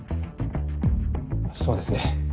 そうですね。